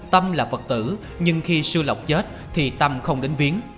tâm là vật tử nhưng khi sư lộc chết thì tâm không đến viếng